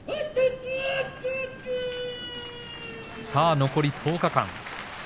さあ残り１０日間。